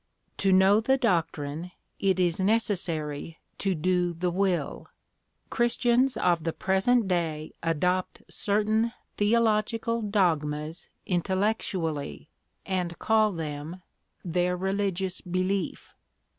To know the doctrine, it is necessary to do the will. Christians of the present day adopt certain theological dogmas intellectually and call them their religious belief.